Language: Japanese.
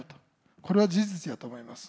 これは事実だと思います。